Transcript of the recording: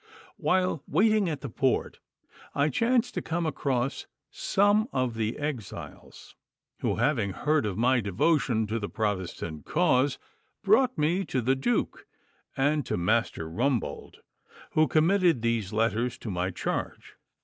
While waiting at the port I chanced to come across some of the exiles, who, having heard of my devotion to the Protestant cause, brought me to the Duke and to Master Rumbold, who committed these letters to my charge.